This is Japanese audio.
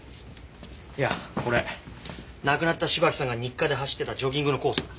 いやこれ亡くなった芝木さんが日課で走ってたジョギングのコースだ。